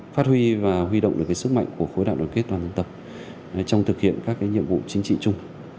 phát huy và huy động được sức mạnh của khối đạo đồng kết toàn dân tập trong thực hiện các nhiệm vụ chính trị chung